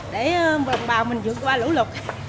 để đồng bào mình vượt qua lũ lụt